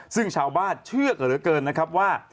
ซึ่งชาวบ้านเชื่อกันเหลือเกินนะครับว่า